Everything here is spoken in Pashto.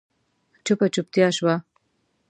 چوپه چوپتيا شوه.